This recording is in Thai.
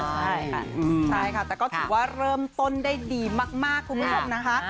ใช่ค่ะใช่ค่ะแต่ก็ถือว่าเริ่มต้นได้ดีมากคุณผู้ชมนะคะ